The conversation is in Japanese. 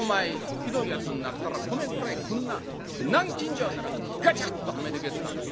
ひどいやつになったら米蔵へこんな南京錠ならガチャッとはめてけつかんねん。